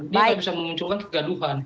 dia bisa mengunculkan kegaduhan